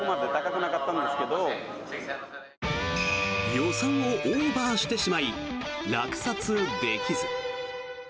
予算をオーバーしてしまい落札できず。